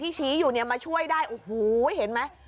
ชี้อยู่เนี่ยมาช่วยได้โอ้โหเห็นไหม